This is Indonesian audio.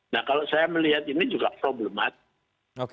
nah kalau saya melihat ini juga problematik